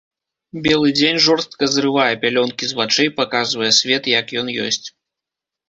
Белы дзень жорстка зрывае пялёнкі з вачэй, паказвае свет, як ён ёсць.